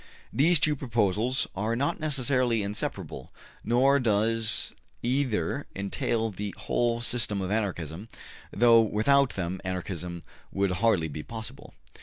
These two proposals are not necessarily inseparable, nor does either entail the whole system of Anarchism, though without them Anarchism would hardly be possible.